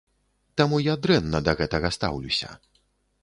Таму я дрэнна да гэтага стаўлюся.